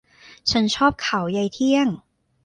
ฉันชอบเขายายเที่ยง